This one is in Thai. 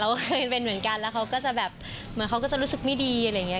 เคยเป็นเหมือนกันแล้วเขาก็จะแบบเหมือนเขาก็จะรู้สึกไม่ดีอะไรอย่างนี้